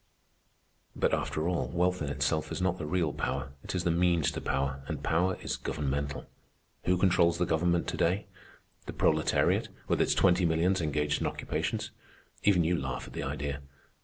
"But after all, wealth in itself is not the real power; it is the means to power, and power is governmental. Who controls the government to day? The proletariat with its twenty millions engaged in occupations? Even you laugh at the idea.